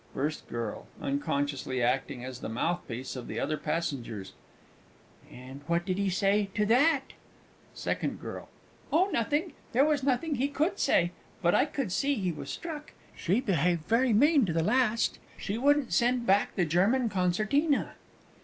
FIRST GIRL (unconsciously acting as the mouthpiece of the other passengers). And what did he say to that? SECOND GIRL. Oh, nothing there was nothing he could say, but I could see he was struck. She behaved very mean to the last she wouldn't send back the German concertina.